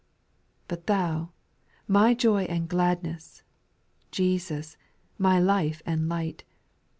8. But Thou, my joy and gladness, Jesus, my life and light.